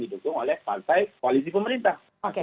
didukung oleh partai koalisi pemerintah